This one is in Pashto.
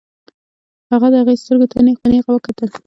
هغې د هغه سترګو ته نېغ په نېغه وکتل.